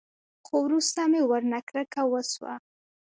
خو وروسته مې ورنه کرکه وسوه.